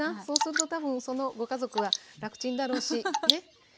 そうすると多分そのご家族は楽ちんだろうしね。